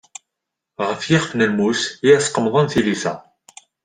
Ɣef yixef n lmus i as-qemḍen tilisa.